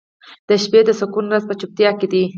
• د شپې د سکون راز په چوپتیا کې دی.